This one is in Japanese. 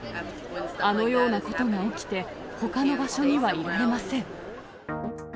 あのようなことが起きて、ほかの場所にはいられません。